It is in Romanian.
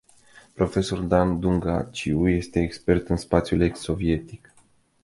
Profesorul Dan Dungaciu este expert în spațiul ex sovietic.